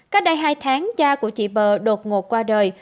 cách đây hai tháng cha của chị bờ đột ngột qua đời